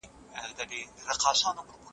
او موږ پرې ویاړو.